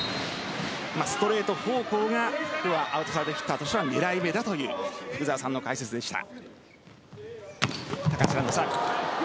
ストレート方向がアウトサイドヒッターとしては狙い目だという福澤さんの解説でした。